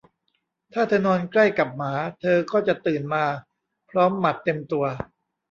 ถ้าเธอนอนใกล้กับหมา เธอก็จะตื่นมาพร้อมหมัดเต็มตัว